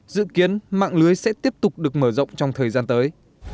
dự kiến mạng lưới sẽ tiếp tục được mở rộng trong thời gian tới